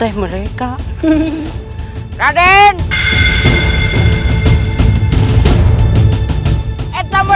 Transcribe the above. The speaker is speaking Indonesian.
ayo cepat mereka pasti sudah menggeledah rumahku